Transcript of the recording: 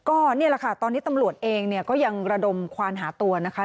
ก็นี่แหละค่ะตอนนี้ตำรวจเองเนี่ยก็ยังระดมควานหาตัวนะคะ